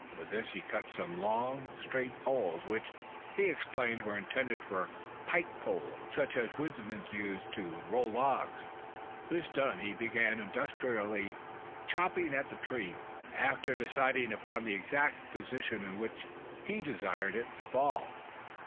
With this he cut some long, straight poles which, he explained, were intended for pike poles such as woodsmen use to roll logs. This done, he began industriously chopping at the tree after deciding upon the exact position in which he desired it to fall.